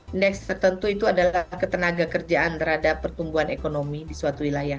indeks tertentu itu adalah ketenaga kerjaan terhadap pertumbuhan ekonomi di suatu wilayah